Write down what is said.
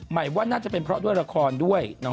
หมายว่าน่าจะเป็นเพราะด้วยละครด้วย